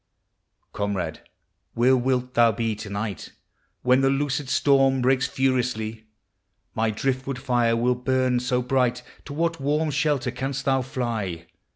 Comrade, where wilt thou be to night When the loosed storm breaks furiously? My driftwood tire will burn so bright! To what warm shelter canst thou fly?